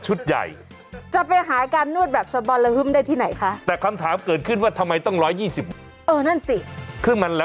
คุดกลุ่มสนามแล้วมันเป็นอย่างไงฮะ